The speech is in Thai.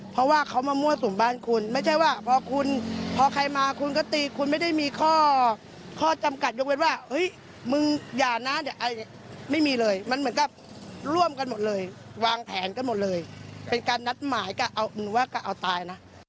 เพราะว่าเขมามั่วสูญบ้านคุณไม่ใช่ว่าพอคุณพอใครมาคุณก็ตีอยู่คุณไม่ได้มีข้อจำกัดยกเป็นว่าเห้ยมึงอย่าน้าเนี่ยไม่มีเลยมันเหมือนกับร่วมกันหมดเลยวางแผนกันหมดเลยกลับนัดหมายก็เอาตาย